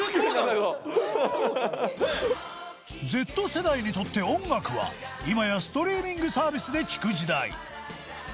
Ｚ 世代にとって音楽は今やストリーミングサービスで聴く時代